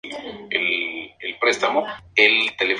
Fue uno de los "Most Bizarre" del show.